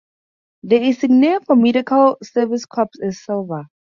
The insignia for Medical Service Corps is silver.